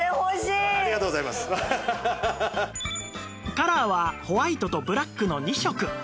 カラーはホワイトとブラックの２色